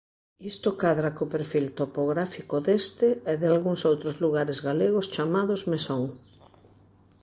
Isto cadra co perfil topográfico deste e dalgúns outros lugares galegos chamados Mesón.